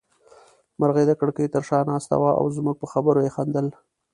مرغۍ د کړکۍ تر شا ناسته وه او زموږ په خبرو يې خندل.